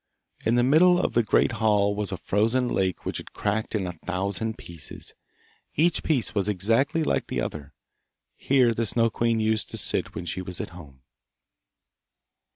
In the middle of the great hall was a frozen lake which had cracked in a thousand pieces; each piece was exactly like the other. Here the Snow queen used to sit when she was at home.